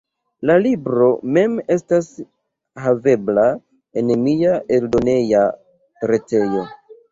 La libro mem estas havebla en mia eldoneja retejo.